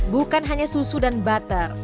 bukan hanya susu dan butter